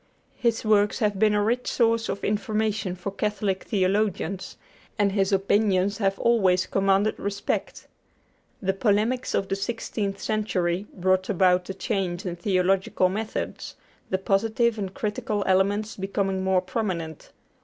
His works have been a rich source of information for Catholic theologians, and his opinions have always commanded respect. The polemics of the sixteenth century brought about a change in theological methods, the positive and critical elements becoming more prominent.